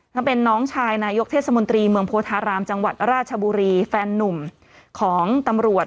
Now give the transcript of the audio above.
ถ้าเป็นน้องชายนายกเทศมนตรีเมืองโพธารามจังหวัดราชบุรีแฟนนุ่มของตำรวจ